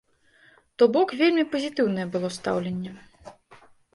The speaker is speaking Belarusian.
То бок вельмі пазітыўнае было стаўленне.